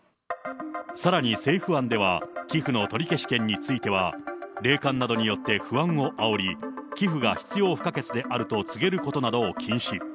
さらに政府案では、寄付の取消権については、霊感などによって不安をあおり、寄付が必要不可欠であると告げることなどを禁止。